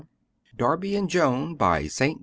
DARBY AND JOAN BY ST.